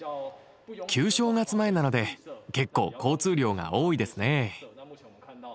旧正月前なので結構交通量が多いですね。